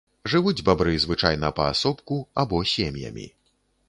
Жывуць бабры звычайна паасобку або сем'ямі.